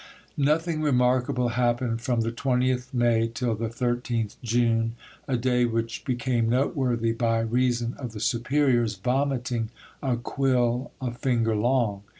Nothing remarkable happened from the 20th May till the 13th June, a day which became noteworthy by reason of the superior's vomiting a quill a finger long.